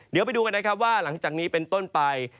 เดี๋ยวไปดูกันนะครับว่าหลังจากนี้เป็นต้นไป